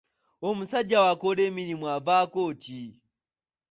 Omusajja bw'akola emirimu avaako ki?